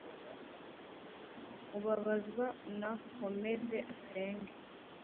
ubabazwa nakomeze asenge